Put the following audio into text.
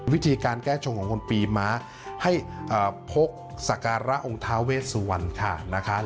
วิธีการแก้ชงของคนปีมะให้พกสักการะองค์ทาเวสวันค่ะ